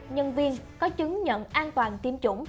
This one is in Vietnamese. nhân viên có chứng nhận an toàn tiêm chủng